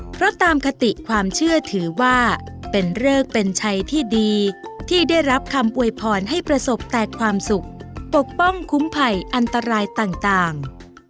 เพราะตามคติความเชื่อถือว่าเป็นเริกเป็นชัยที่ดีที่ได้รับคำอวยพรให้ประสบแต่ความสุขปกป้องคุ้มไผ่อันตรายต่าง